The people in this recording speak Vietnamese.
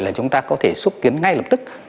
là chúng ta có thể xúc tiến ngay lập tức